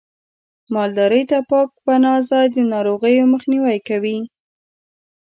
مالدارۍ ته پاک پناه ځای د ناروغیو مخنیوی کوي.